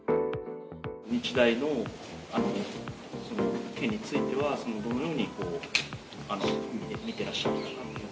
日大の件については、どのように見てらっしゃったのか。